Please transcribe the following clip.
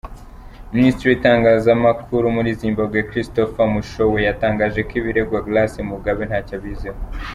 Minisitiri w’Itangazamakuru muri Zimbabwe, Christopher Mushowe, yatangaje ko ibiregwa Grace Mugabe ntacyo abiziho.